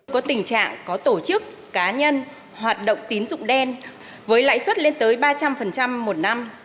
có tình trạng có tổ chức cá nhân hoạt động tín dụng đen với lãi suất lên tới ba trăm linh một năm